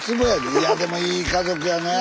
いやでもいい家族やねえ。